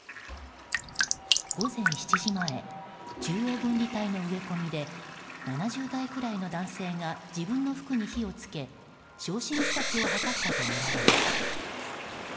午前７時前中央分離帯の植え込みで７０代くらいの男性が自分の服に火を付け焼身自殺を図ったとみられます。